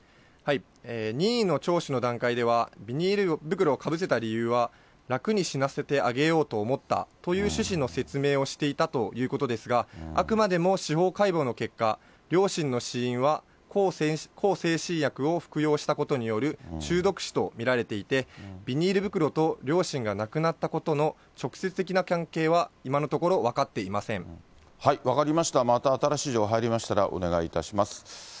任意の聴取の段階では、ビニール袋をかぶせた理由は、楽に死なせてあげようと思ったという趣旨の説明をしていたということですが、あくまでも司法解剖の結果、両親の死因は向精神薬を服用したことによる中毒死と見られていて、ビニール袋と両親が亡くなったことの直接的な関係は、分かりました、また新しい情報入りましたら、お願いいたします。